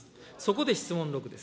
そこで質問６です。